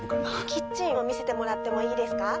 キッチンを見せてもらってもいいですか？